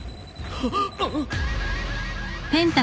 あっ！？